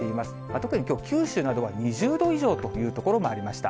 特にきょう、九州などは２０度以上という所もありました。